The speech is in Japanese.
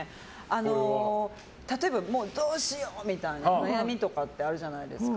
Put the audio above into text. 例えば、どうしよう！みたいな悩みとかってあるじゃないですか。